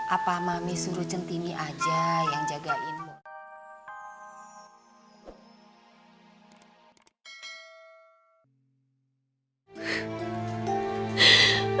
apa mami suruh centini aja yang jagain mu